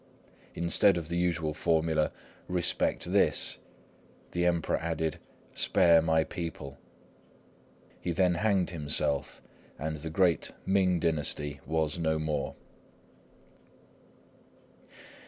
Instead of the usual formula, "Respect this!" the Emperor added, "Spare my people!" He then hanged himself, and the great Ming dynasty was no more.